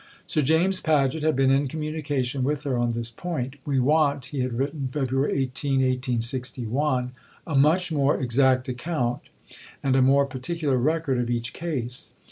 Sir James Paget had been in communication with her on this point. "We want," he had written (Feb. 18, 1861), "a much more exact account and a more particular record of each case.